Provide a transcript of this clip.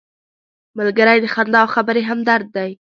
ملګری د خندا او خبرې همدرد دی